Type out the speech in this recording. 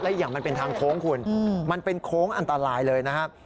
อีกอย่างมันเป็นทางโค้งคุณมันเป็นโค้งอันตรายเลยนะครับ